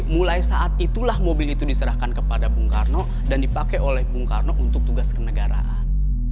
mobil dinas kenegaraan